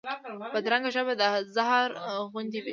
بدرنګه ژبه د زهر غوندې وي